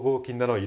はい。